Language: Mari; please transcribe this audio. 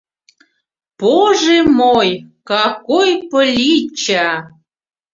— Поже мой, ка-кой пыли-чча!